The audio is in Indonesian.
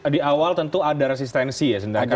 di awal tentu ada resistensi ya sebenarnya